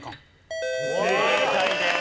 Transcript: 正解です。